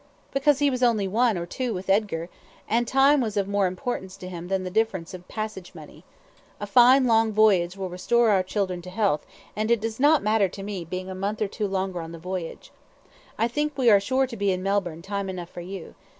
"Because he was only one, or, with Edgar, two, and time was of more importance to him than the difference in passage money. A fine long voyage will restore our children to health, and it does not matter to me being a month or two longer on the voyage. I think we are sure to be in Melbourne time enough for you.